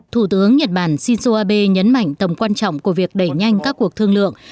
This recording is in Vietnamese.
thủ tướng nhật bản shinzo abe nhấn mạnh tầm quan trọng của việc đẩy nhanh các cuộc thương lượng